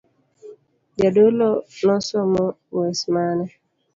Jadolo nosomo wes mane.